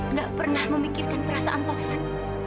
tidak pernah memikirkan perasaan tovan